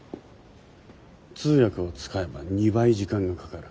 通訳を使えば２倍時間がかかる。